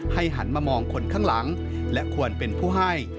หันมามองคนข้างหลังและควรเป็นผู้ให้